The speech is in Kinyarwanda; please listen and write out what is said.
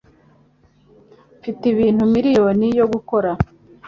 Mfite ibintu miriyoni yo gukora